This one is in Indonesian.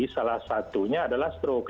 salah satunya adalah struk